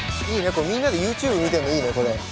これみんなでＹｏｕＴｕｂｅ見てもいいね。